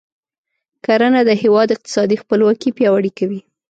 کرنه د هیواد اقتصادي خپلواکي پیاوړې کوي.